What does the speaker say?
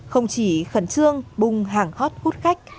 không chỉ khẩn trương bung hàng hot hút khách